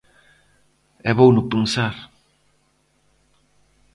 E vouno pensar.